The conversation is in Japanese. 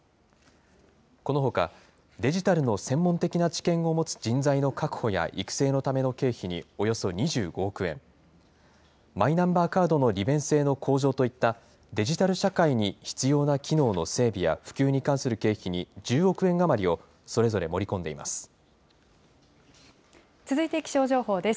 このほか、デジタルの専門的な知見を持つ人材の確保や育成のための経費におよそ２５億円、マイナンバーカードの利便性の向上といった、デジタル社会に必要な機能の整備や普及に関する経費に１０億円余続いて気象情報です。